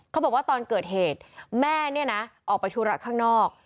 บอกว่าตอนเกิดเหตุแม่เนี่ยนะออกไปธุระข้างนอก